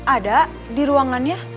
ada di ruangannya